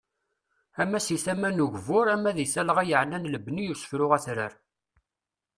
Ama seg tama n ugbur, ama deg talɣa yaɛnan lebni usefru atrar.